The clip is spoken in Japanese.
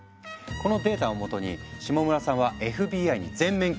このデータを基に下村さんはＦＢＩに全面協力。